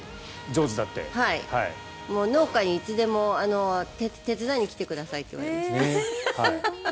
もう農家にいつでも手伝いに来てくださいって言われました。